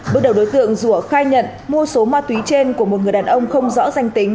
bước đầu đối tượng rụa khai nhận mua số ma túy trên của một người đàn ông không rõ danh tính